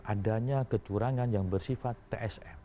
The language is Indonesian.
adanya kecurangan yang bersifat tsm